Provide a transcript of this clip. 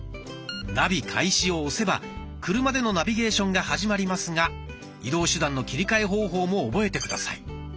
「ナビ開始」を押せば車でのナビゲーションが始まりますが移動手段の切り替え方法も覚えて下さい。